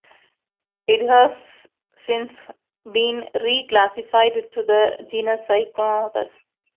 It has since been re-classified to the genus "Pycnonotus".